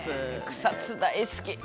草津、大好き。